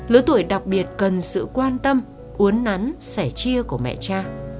lứa tuổi đặc biệt cần sự quan tâm uốn nắn sẻ chia của mẹ cha